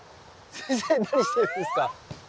先生何してるんですか？